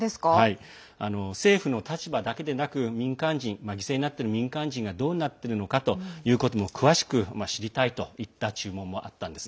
政府の立場だけでなく犠牲になっている民間人がどうなっているかというのも詳しく知りたいといった注文もあったんです。